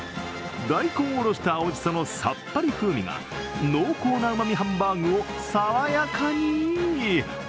大根おろしと青じそのさっぱり風味が濃厚なうまみハンバーグをさわやかに。